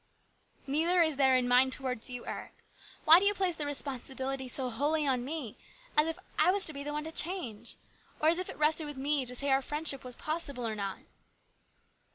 " Neither is there in mine towards you, Eric. Why do you place the responsibility so wholly on me, as if I would be the one to change, or as if it rested with me to say that our friendship was possible or not